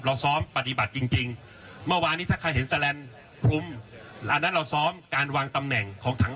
เราซ้อมปฏิบัติจริงจริงเมื่อวานนี้ถ้าใครเห็นแสลนด์คุมอันนั้นเราซ้อมการวางตำแหน่งของถัง